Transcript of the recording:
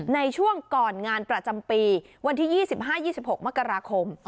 ในช่วงก่อนงานประจำปีวันที่๒๕๒๖มกราคม